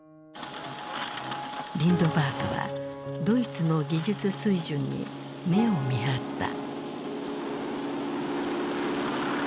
リンドバーグはドイツの技術水準に目をみはった。